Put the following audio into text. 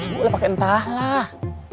boleh pakai entahlah